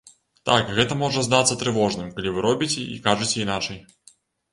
Так, гэта можа здацца трывожным, калі вы робіце і кажаце іначай.